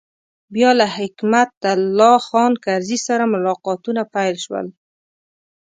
بیا له حکمت الله خان کرزي سره ملاقاتونه پیل شول.